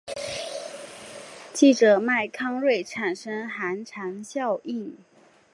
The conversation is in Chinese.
记者麦康瑞产生寒蝉效应。